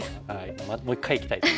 もう一回行きたいです。